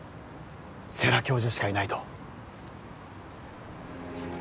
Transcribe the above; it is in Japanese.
世良教授しかいないと